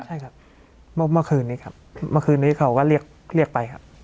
ใช่ครับเมื่อคืนนี้ครับเมื่อคืนนี้เขาก็เรียกเรียกไปครับ